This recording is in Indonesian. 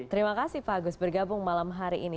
terima kasih pak agus bergabung malam hari ini